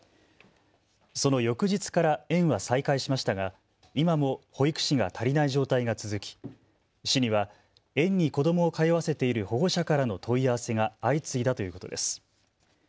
その翌日から園は再開しましたが今も保育士が足りない状態が続き市には園に子どもを通わせている保護者からの問い合わせが相次いだということです。